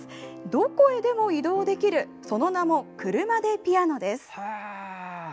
どこへでも移動できるその名もクルマｄｅピアノです。